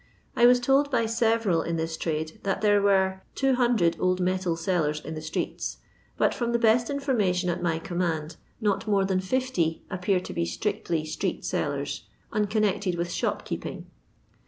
I was told by sereral in this trade it t* d. that there were 200 old metal seller* in the streets, but, from the best in formation at my command, not more than 50 appear to ba strictly ser8f( sellers, unconnected with shopkeep Jng.